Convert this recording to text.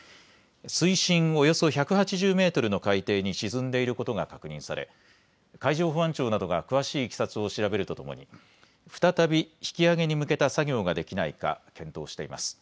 水深およそ１８０メートルの海底に沈んでいることが確認され海上保安庁などが詳しいいきさつを調べるとともに再び引き揚げに向けた作業ができないか検討しています。